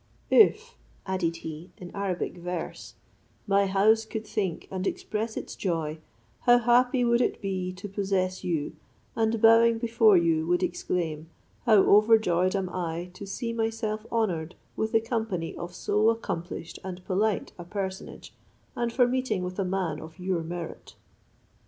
If," added he in Arabic verse, "my house could think and express its joy, how happy would it be to possess you, and, bowing before you, would exclaim, 'How overjoyed am I to see myself honoured with the company of so accomplished and polite a personage, and for meeting with a man of your merit.'"